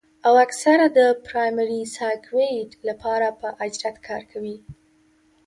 او اکثر د پرائمري سايکوپېت له پاره پۀ اجرت کار کوي